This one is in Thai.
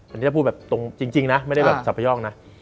อันนี้ถ้าพูดแบบตรงจริงนะไม่ได้แบบสับพย่องนะ